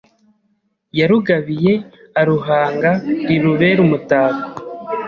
Yarugabiye aruhanga Rirubere umutako